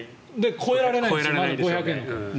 超えられないんです５００円。